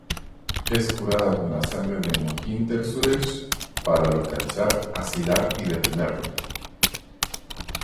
Es curada con la sangre de Mohinder Suresh, para localizar a Sylar y detenerlo.